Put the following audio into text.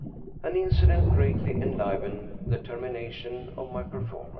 An incident greatly enlivened the termination of my per formance.